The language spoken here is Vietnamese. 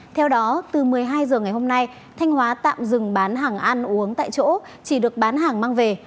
theo đó từ một mươi hai h ngày hôm nay thanh hóa tạm dừng bán hàng ăn uống tại chỗ chỉ được bán hàng mang về